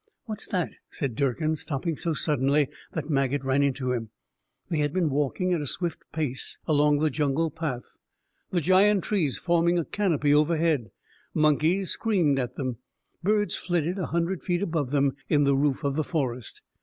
"What's that?" said Durkin, stopping so suddenly that Maget ran into him. They had been walking at a swift pace along the jungle path, the giant trees forming a canopy overhead. Monkeys screamed at them, birds flitted a hundred feet above them in the roof of the forest.